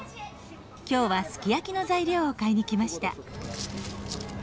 今日はすき焼きの材料を買いに来ました。